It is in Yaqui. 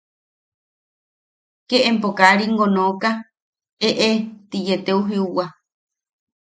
Ke empo kaa ringo nooka ¡eʼe! ti yee teu jiuwa.